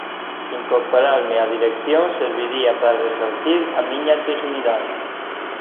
Incorporarme á dirección serviría para resarcir a miña dignidade.